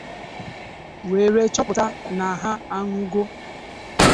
were chọpụta na ha anwụgo